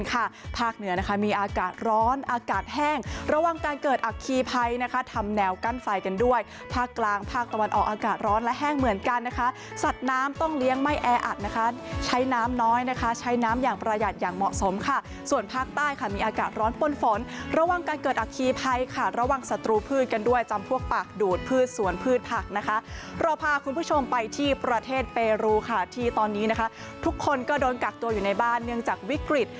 ค่ะภาคเหนือนะคะมีอากาศร้อนอากาศแห้งระหว่างการเกิดอัคคีภัยนะคะทำแนวกั้นไฟกันด้วยภาคกลางภาคตะวันออกอากาศร้อนและแห้งเหมือนกันนะคะสัตว์น้ำต้องเลี้ยงไม่แออัดนะคะใช้น้ำน้อยนะคะใช้น้ำอย่างประหยัดอย่างเหมาะสมค่ะส่วนภาคใต้ค่ะมีอากาศร้อนปนฝนระหว่างการเกิดอัคคีภัยค่ะระหว่างสต